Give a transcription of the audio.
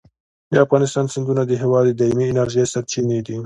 د افغانستان سیندونه د هېواد د دایمي انرژۍ سرچینې دي.